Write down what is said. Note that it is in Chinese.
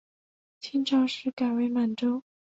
清朝时改为满洲。